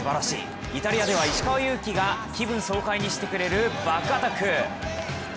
イタリアでは石川祐希が気分爽快にしてくれるバックアタック。